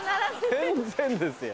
全然ですよ。